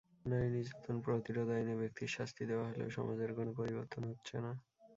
নারী নির্যাতন প্রতিরোধ আইনে ব্যক্তির শাস্তি দেওয়া হলেও সমাজের কোনো পরিবর্তন হচ্ছে না।